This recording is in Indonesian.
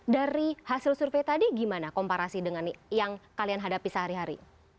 dari hasil survei tadi gimana komparasi dengan yang kalian hadapi sehari hari